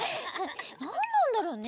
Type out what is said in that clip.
なんなんだろうね？